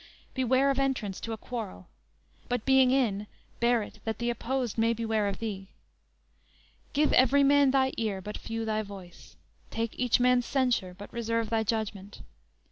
Beware Of entrance to a quarrel; but being in, Bear it that the opposed may beware of thee. Give every man thy ear, but few thy voice; Take each man's censure, but reserve thy judgment.